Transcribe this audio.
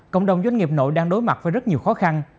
cộng đồng doanh nghiệp nội đang đối mặt với rất nhiều khó khăn